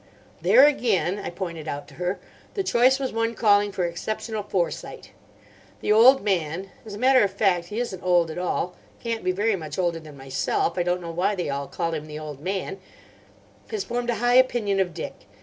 "There, again," I pointed out to her, "the choice was one calling for exceptional foresight. The old man—as a matter of fact, he isn't old at all; can't be very much older than myself; I don't know why they all call him the old man—has formed a high opinion of Dick.